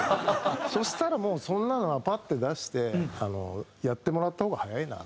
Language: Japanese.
そしたらもうそんなのはパッて出してやってもらった方が早いなと。